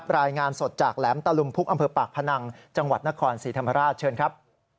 รายงานสดจากแหลมตะลุมพุกอำเภอปากพนังจังหวัดนครศรีธรรมราชเชิญครับ